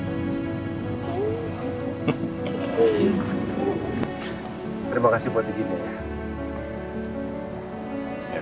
terima kasih buat izinnya ya